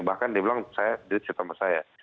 bahkan dia bilang dia cerita sama saya